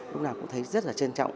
lúc nào cũng thấy rất là trân trọng